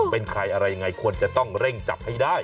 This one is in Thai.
เป็นใครอะไรยังไงควรจะต้องเร่งจับให้ได้